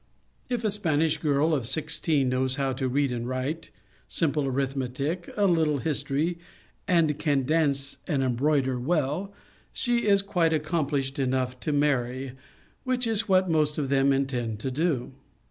If a Spanish girl of sixteen knows how to read and write, simple arithmetic, a little history, and can dance and embroider well, she is quite accomplished enough to marry, which is what most of them intend to do.